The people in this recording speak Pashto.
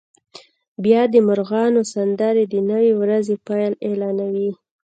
بیا د مرغانو سندرې د نوې ورځې پیل اعلانوي